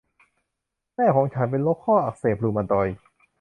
แม่ของฉันเป็นโรคข้ออักเสบรุมาตอยด์